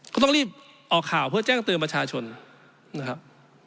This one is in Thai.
ก็ต้องรีบออกข่าวเพื่อแจ้งเตือนประชาชนนะครับ